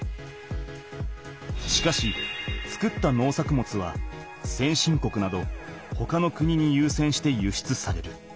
しかし作った農作物は先進国などほかの国にゆうせんして輸出される。